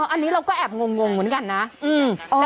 อันนี้เราก็แอบงงเหมือนกันนะ